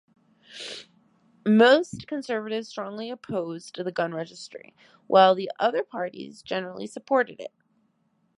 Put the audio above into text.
Most Conservatives strongly opposed the gun registry, while the other parties generally supported it.